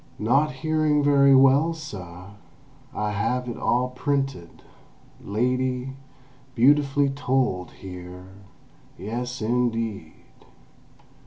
"Not hearing very well, suh, I have it all printed, lady—beautifully told here—yes, indeed!"